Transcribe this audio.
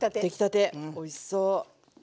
おいしそう。